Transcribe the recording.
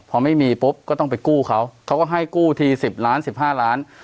พอไม่มีปุ๊บก็ต้องไปกู้เขาเขาก็ให้กู้ทีสิบล้านสิบห้าล้านเอ่อ